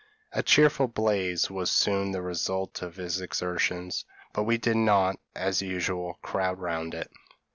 A cheerful blaze was soon the result of his exertions; but we did not, as usual, crowd round it.